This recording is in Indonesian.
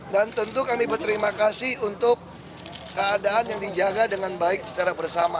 dan tentu kami berterima kasih untuk keadaan yang dijaga dengan baik secara bersama